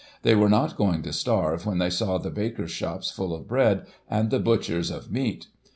They were not going to starve when they saw the bakers' shops full of bread, and the butchers', of meat.